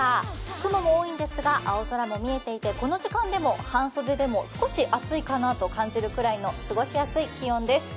雲も多いんですが青空も見えていてこの時間でも半袖でも少し暑いかなと感じるくらいの過ごしやすい気温です。